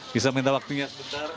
bisa minta waktunya sebentar